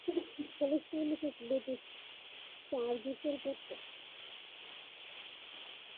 হলিস্টার Mrs Betty স্টার্জিসের পুত্র।